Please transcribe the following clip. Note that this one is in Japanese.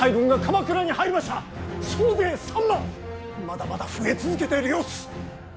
まだまだ増え続けている様子。